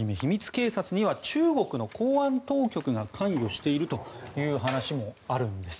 警察には中国の公安当局が関与しているという話もあるんです。